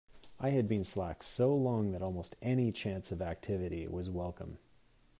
I had been slack so long that almost any chance of activity was welcome.